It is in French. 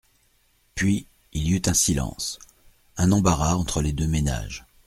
Puis, il y eut un silence, un embarras entre les deux ménages.